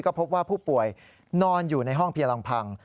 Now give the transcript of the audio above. ก็พบว่าผู้ป่วยนอนอยู่ในห้องเพียงลำพัง